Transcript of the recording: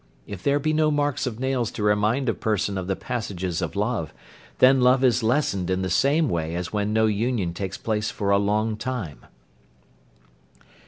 If there be no marks of nails to remind a person of the passages of love, then love is lessened in the same way as when no union takes place for a long time."